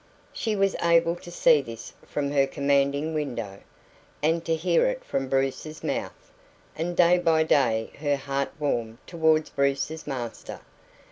She was able to see this from her commanding window, and to hear it from Bruce's mouth; and day by day her heart warmed towards Bruce's master.